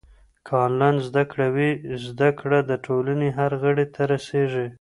که انلاین زده کړه وي، زده کړه د ټولنې هر غړي ته رسېږي.